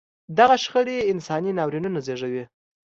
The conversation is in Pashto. دغه شخړې انساني ناورینونه زېږوي.